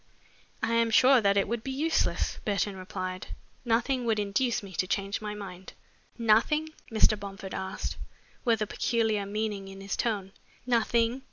"I am sure that it would be useless," Burton replied. "Nothing would induce me to change my mind." "Nothing?" Mr. Bomford asked, with a peculiar meaning in his tone. "Nothing?"